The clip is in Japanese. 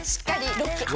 ロック！